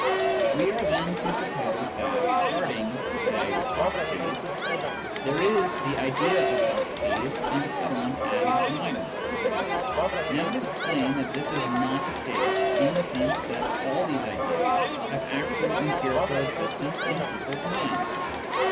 We are then to suppose that, starting (say) with Socrates, there is the idea of Socrates, and so on ad inf. Now it is plain that this is not the case in the sense that all these ideas have actual empirical existence in people's minds.